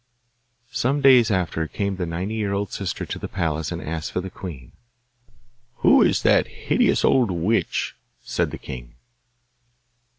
Some days after came the ninety year old sister to the palace and asked for the queen. 'Who is that hideous old witch?' said the king.